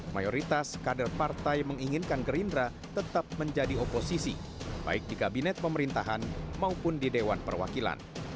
mayoritas kader partai menginginkan gerindra tetap menjadi oposisi baik di kabinet pemerintahan maupun di dewan perwakilan